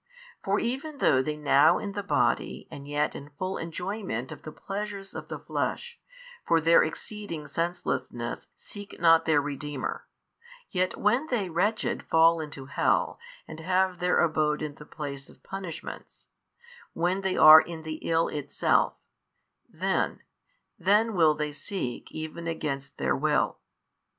For even though they now in the body and yet in full enjoyment of the pleasures of the flesh, for their exceeding senselessness seek not their Redeemer, yet when they wretched fall into hell and have their abode in the place of punishments, when they are in the ill itself, then, then will they seek even against their will.